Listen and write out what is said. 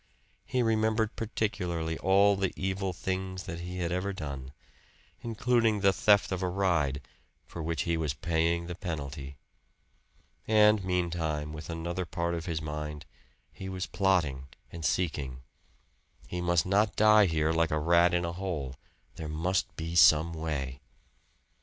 He remembered particularly all the evil things that he had ever done; including the theft of a ride, for which he was paying the penalty. And meantime, with another part of his mind, he was plotting and seeking. He must not die here like a rat in a hole. There must be some way.